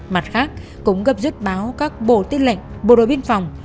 mặt khác cũng gấp rút báo các bộ tiết lệnh bộ đội biên phòng